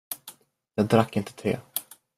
Jag drack inte te.